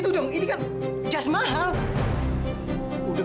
udah gede dia masih tolol